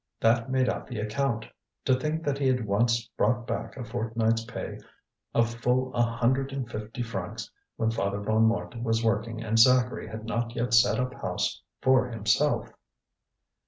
That made out the account. To think that he had once brought back a fortnight's pay of full a hundred and fifty francs when Father Bonnemort was working and Zacharie had not yet set up house for himself!